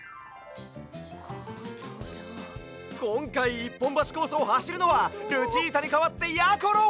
１ぽんばしコースをはしるのはルチータにかわってやころ！